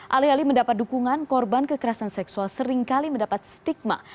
alih alih mendapat dukungan korban kekerasan seksual seringkali mendapat stigma